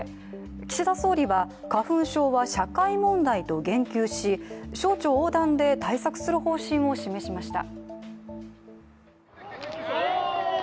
岸田総理は、花粉症は社会問題と言及し省庁横断で対策する方針を示しました。